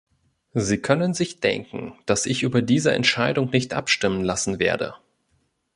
Sie können sich denken, dass ich über diese Entscheidung nicht abstimmen lassen werde.